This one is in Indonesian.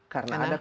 karena ada korupsi